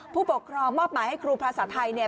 ผู้ปกครองมอบหมายให้ครูภาษาไทยเนี่ย